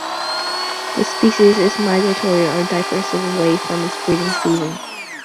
This species is migratory or dispersive away from its breeding season.